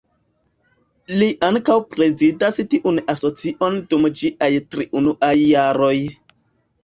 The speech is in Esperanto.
Li ankaŭ prezidas tiun asocion dum ĝiaj tri unuaj jaroj.